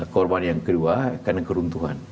korban yang kedua karena keruntuhan